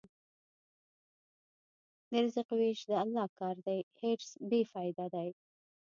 د رزق وېش د الله کار دی، حرص بېفایده دی.